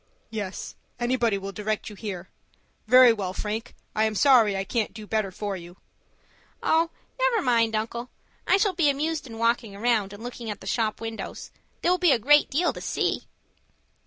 "Yes, anybody will direct you here. Very well, Frank, I am sorry I can't do better for you." "Oh, never mind, uncle, I shall be amused in walking around, and looking at the shop windows. There will be a great deal to see."